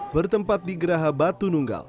bertempat di geraha batu nunggal